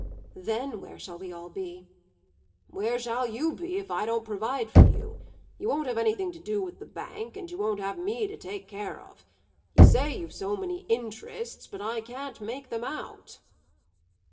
"Then where shall we all be?" "Where shall you be if I don't provide for you? You won't have anything to do with the bank, and you won't have me to take care of. You say you've so many interests; but I can't make them out."